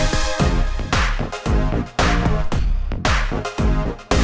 gue gak tahu apa apa